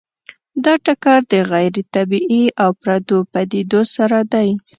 دا ټکر د غیر طبیعي او پردو پدیدو سره دی.